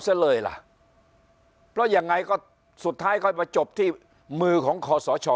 ซะเลยล่ะเพราะยังไงก็สุดท้ายก็จบที่มือของขสชอ